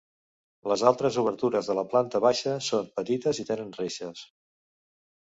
Les altres obertures de la planta baixa són petites i tenen reixes.